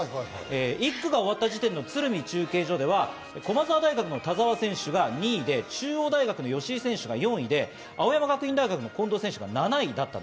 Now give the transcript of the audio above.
１区が終わった時点の鶴見中継所では駒澤大学・田澤選手が２位で、中央大学・吉居選手が４位、青山学院大学・近藤選手が７位でした。